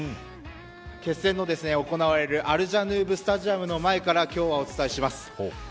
決戦の行われるアルジャヌーブスタジアムの前から今日は、お伝えします。